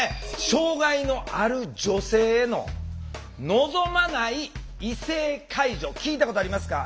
障害のある女性の「望まない異性介助」聞いたことありますか？